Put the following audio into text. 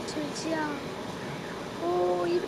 率先使用这个词的便是哈瓦斯。